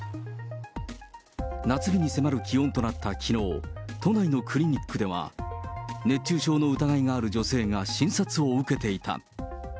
夏日に迫る気温となったきのう、都内のクリニックでは、熱中症の疑いがある女性が診察を受けていた。